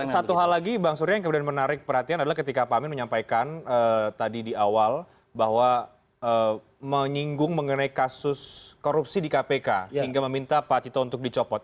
satu hal lagi bang surya yang kemudian menarik perhatian adalah ketika pak amin menyampaikan tadi di awal bahwa menyinggung mengenai kasus korupsi di kpk hingga meminta pak cito untuk dicopot